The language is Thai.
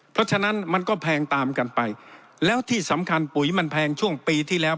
เพราะฉะนั้นมันก็แพงตามกันไปแล้วที่สำคัญปุ๋ยมันแพงช่วงปีที่แล้ว